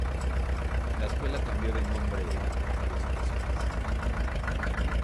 La escuela cambió de nombre en varias ocasiones.